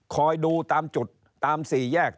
คอยดูตามจุดตามสี่แยก